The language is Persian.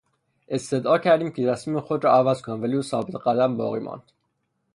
استدعا کردیم که تصمیم خود را عوض کند ولی او ثابت قدم باقی ماند.